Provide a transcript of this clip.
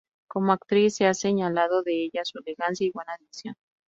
Como actriz se ha señalado de ella su elegancia y buena dicción.